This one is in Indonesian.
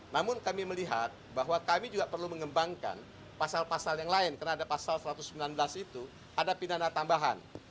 namun kami melihat bahwa kami juga perlu mengembangkan pasal pasal yang lain karena ada pasal satu ratus sembilan belas itu ada pidana tambahan